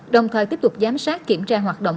đồng thời tiếp tục giám sát kiểm tra hoạt động